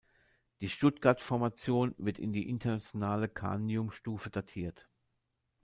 Die Stuttgart-Formation wird in die internationale Karnium-Stufe datiert.